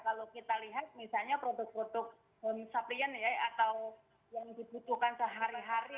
kalau kita lihat misalnya produk produk suprian ya atau yang dibutuhkan sehari hari